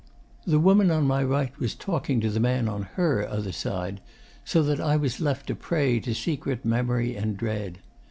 'The woman on my right was talking to the man on HER other side; so that I was left a prey to secret memory and dread.